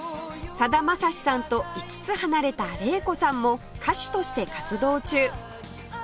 さだまさしさんと５つ離れた玲子さんも歌手として活動中